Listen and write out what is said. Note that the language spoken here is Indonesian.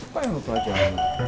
kenapa yang lupa jalan